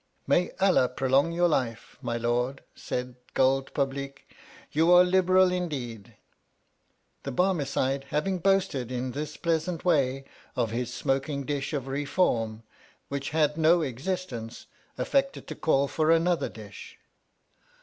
May Allah prolong your life, my Lord, said Guld Publeek, you are liberal indeed ! The Barmecide having boasted in this pleasant way of his smoking dish of Beefawm, which had no existence, affected to call for another dish.